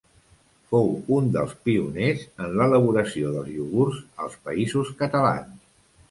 Fou un dels pioners en l'elaboració de iogurts als Països Catalans.